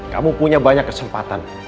kamu punya banyak kesempatan